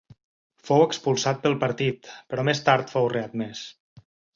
Fou expulsat pel partit, però més tard fou readmès.